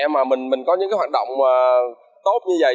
mà mình có những cái hoạt động tốt như vậy